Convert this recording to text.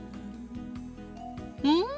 うん！